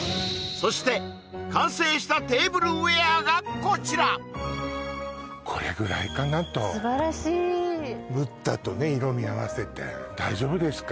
そして完成したテーブルウェアがこちらこれぐらいかなと素晴らしいブッダとね色味合わせて大丈夫ですか？